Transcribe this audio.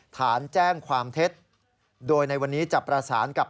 ฐานแจ้งความเท็จโดยในวันนี้จะประสานกับ